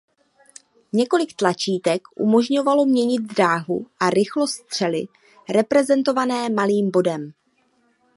Několik tlačítek umožňovalo měnit dráhu a rychlost střely reprezentované malým bodem.